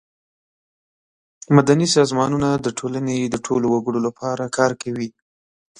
مدني سازمانونه د ټولنې د ټولو وګړو لپاره کار کوي.